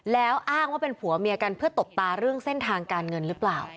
แล้วอ้างว่าเป็นผัวเมียกันเพื่อตบตาเรื่องเส้นทางการเงินหรือเปล่า